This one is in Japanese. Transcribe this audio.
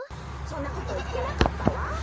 そんなこといってなかったわ。